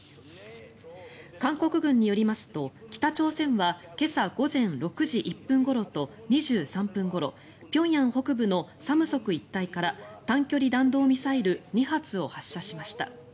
韓国軍によりますと北朝鮮は今朝午前６時１分ごろと２３分ごろ平壌北部の三石一帯から短距離弾道ミサイル２発を発射しました。